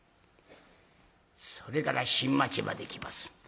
それから新町まで行きます。